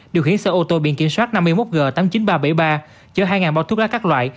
điều khiển xe ô tô biển kiểm soát năm mươi một g tám mươi chín nghìn ba trăm bảy mươi ba chở hai bao thuốc lá các loại